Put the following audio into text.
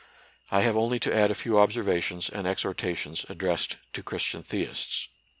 I have only to add a few observations and exhortations addressed to Christian theists.